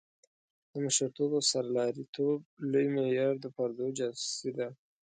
د مشرتوب او سرلاري توب لوی معیار د پردو جاسوسي ده.